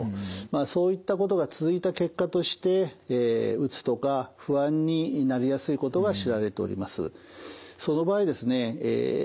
まあそういったことが続いた結果としてうつとか不安になりやすいことが知られております。